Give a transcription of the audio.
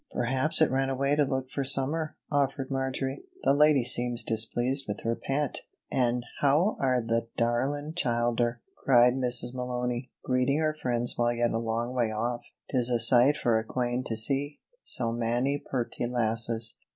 "Perhaps it ran away to look for summer," offered Marjory. "The lady seems displeased with her pet." "An' how are the darlin' childer?" cried Mrs. Malony, greeting her friends while yet a long way off. "'Tis a sight for a quane to see, so manny purty lasses.